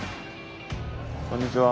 こんにちは。